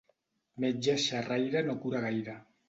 Metge xerraire no cura gaire.